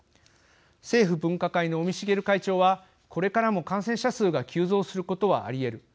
政府分科会の尾身茂会長は「これからも感染者数が急増することはあり得る。